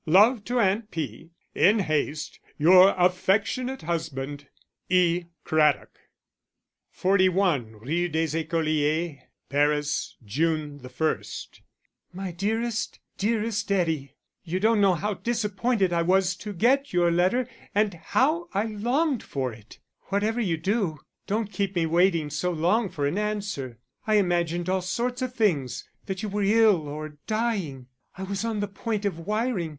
Love to Aunt P. In haste, your affectionate husband,_ E. CRADDOCK. 41 Rue des Ecoliers, Paris, June 1. _My dearest, dearest Eddie, You don't know how disappointed I was to get your letter and how I longed for it. Whatever you do, don't keep me waiting so long for an answer. I imagined all sorts of things that you were ill or dying. I was on the point of wiring.